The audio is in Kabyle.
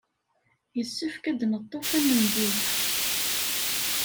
Yessefk ad d-neṭṭef amednub.